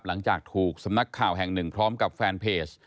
หลังจากถูกสำนักข่าวแห่งหนึ่งพร้อมกับแฟนเพจ